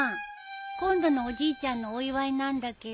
今度のおじいちゃんのお祝いなんだけど。